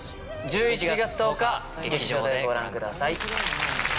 １１月１０日劇場でご覧ください。